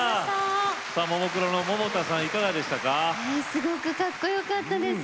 すごくかっこよかったです。